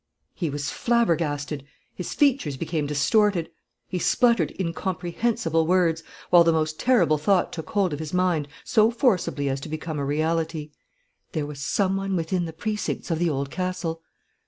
He was flabbergasted. His features became distorted. He spluttered incomprehensible words, while the most terrible thought took hold of his mind so forcibly as to become a reality: there was some one within the precincts of the Old Castle.